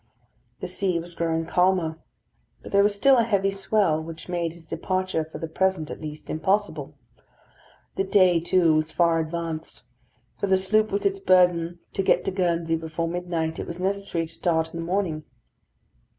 The sea was growing calmer. But there was still a heavy swell, which made his departure, for the present at least, impossible. The day, too, was far advanced. For the sloop with its burden to get to Guernsey before midnight, it was necessary to start in the morning.